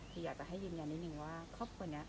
ฉียอดจะให้ยืนยันนิดนึงว่าครอปัวเนี่ย